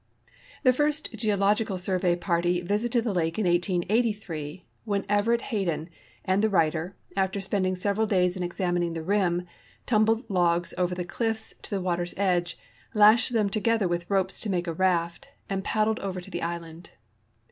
t The first Geological Survey party visited the lake in 1883, when Everett Hayden and the writer, after spending several days in examining the rim, tumbled logs over the cliffs to the water's edge, lashed them together with ropes to make a raft, and paddled over to the island.